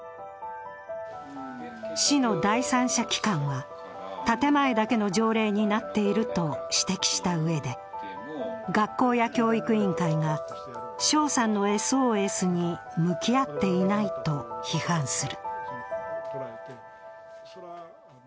市の第三者機関は建て前だけの条例になっていると指摘したうえで、学校や教育委員会が翔さんのＳＯＳに向き合っていないと批判する。